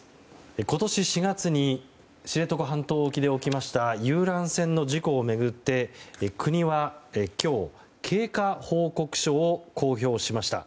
今年４月に知床半島沖で起きました遊覧船の事故を巡って国は今日経過報告書を公表しました。